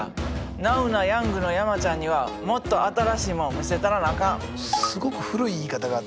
ナウなヤングの山ちゃんにはもっと新しいもん見せたらなあかん！